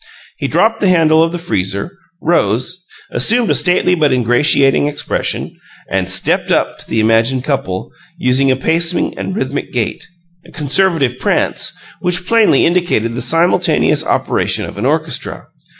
He dropped the handle of the freezer, rose, assumed a stately, but ingratiating, expression, and "stepped up" to the imagined couple, using a pacing and rhythmic gait a conservative prance, which plainly indicated the simultaneous operation of an orchestra.